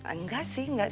enggak sih enggak